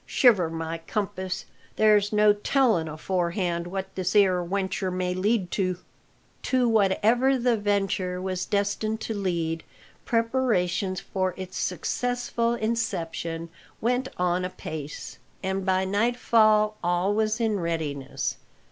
Shiver my compass, there's no telling aforehand what this 'ere wenture may lead to." To whatever the venture was destined to lead, preparations for its successful inception went on apace, and by nightfall all was in readiness.